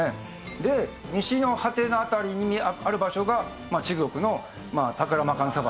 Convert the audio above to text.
で西の果ての辺りにある場所が中国のタクラマカン砂漠。